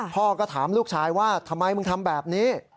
พ่อก็ถามลูกชายว่าทำไมมึงทำแบบนี้